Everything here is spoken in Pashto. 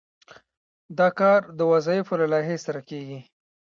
دا کار د وظایفو له لایحې سره کیږي.